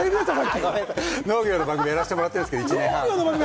農業の番組をやらせてもらっているんです、１年半。